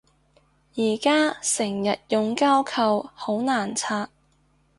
而家成日用膠扣好難拆